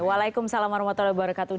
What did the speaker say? waalaikumsalam warahmatullahi wabarakatuh